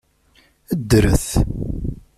Ddret!